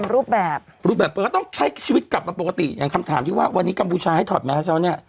รูปแบบต้องใช้ชีวิตกลับมาปกติอย่างคำถามที่ว่าวันนี้กัมพูชาให้ถอดม้าเช้าเนี่ย